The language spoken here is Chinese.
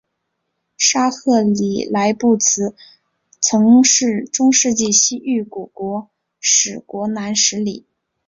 沙赫里萨布兹曾是中世纪西域古国史国南十里。